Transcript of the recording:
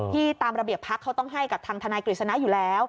ตามระเบียบพักเขาต้องให้กับทางทนายกฤษณะอยู่แล้ว